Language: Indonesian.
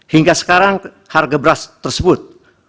hingga sekarang harga beras tersebut